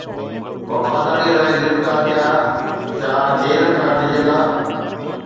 وفاداريءَ لاءِ گرفتار ٿيا، ڇا جيل کان ڊڄندا؟